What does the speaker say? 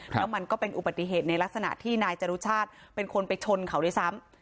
แล้วมันก็เป็นอุบัติเหตุในลักษณะที่นายจรุชาติเป็นคนไปชนเขาด้วยซ้ำ